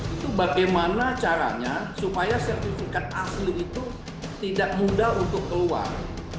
itu bagaimana caranya supaya sertifikat asli itu tidak mudah untuk keluar